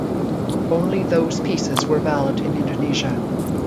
Only those pieces were valid in Indonesia.